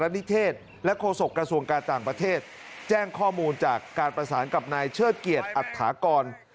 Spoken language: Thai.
นิเทศและโฆษกระทรวงการต่างประเทศแจ้งข้อมูลจากการประสานกับนายเชิดเกียจอัตถากร